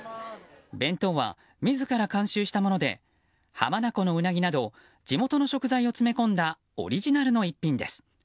弁当は、自ら監修したもので浜名湖のウナギなど地元の食材を詰め込んだオリジナルの逸品です。